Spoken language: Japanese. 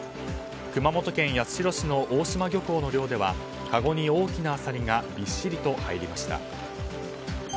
熊本県八代市の大島漁港の漁ではかごに大きなアサリがぎっしりと入りました。